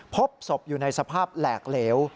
พบศพอยู่ในสภาพแหลกเหลว